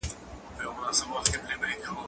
زه پرون موټر کاروم!